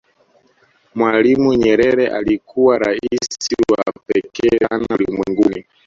mwalimu nyerere alikuwa rais wa pekee sana ulimwenguni